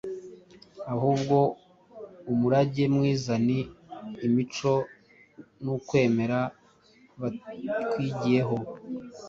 ahubwo umurage mwiza ni imico n’ukwemera batwigiyeho.”